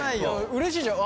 うれしいじゃん。